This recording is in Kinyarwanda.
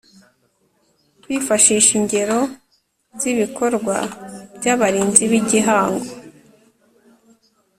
Kwifashisha ingero z ibikorwa by abarinzi b igihango